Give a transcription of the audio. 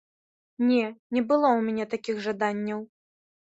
Не, не было ў мяне такіх жаданняў.